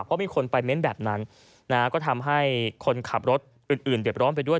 เพราะมีคนไปเม้นต์แบบนั้นก็ทำให้คนขับรถอื่นเด็บร้อนไปด้วย